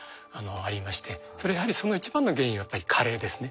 やはりその一番の原因はやっぱり加齢ですね